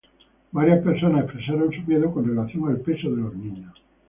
Varias personas expresaron su miedo con relación al peso de los niños.